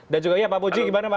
dan juga pak buji gimana pak